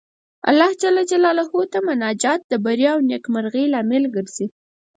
الله جل جلاله ته مناجات د بري او نېکمرغۍ لامل ګرځي.